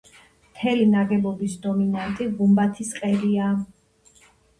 მთელი ნაგებობის დომინანტი გუმბათის ყელია.